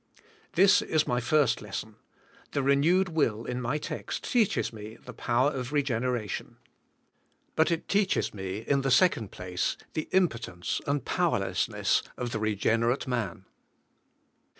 This is my first les son. The renewed will in my text teaches me the power of reg eneration. But it teaches me, in the second place, the impo tence and powerlessness of the reg enerate man.